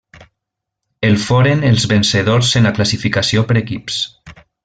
El foren els vencedors en la classificació per equips.